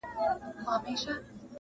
عاقبت یې په کوهي کي سر خوړلی٫